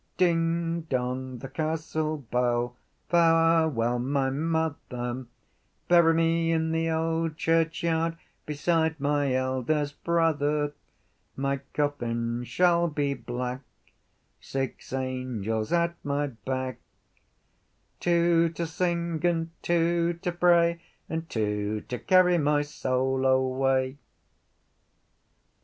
Dingdong! The castle bell! Farewell, my mother! Bury me in the old churchyard Beside my eldest brother. My coffin shall be black, Six angels at my back, Two to sing and two to pray And two to carry my soul away.